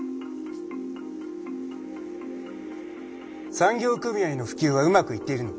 産業組合の普及はうまくいっているのか？